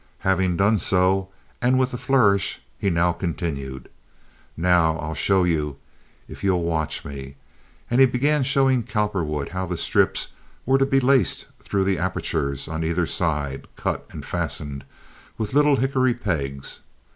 Having so done—and with a flourish—he now continued: "Now I'll show you if you'll watch me," and he began showing Cowperwood how the strips were to be laced through the apertures on either side, cut, and fastened with little hickory pegs.